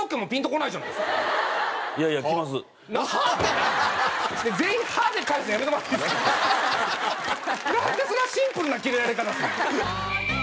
なんでそんなシンプルなキレられ方するの？